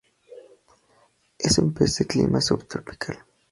Es un pez de clima subtropical.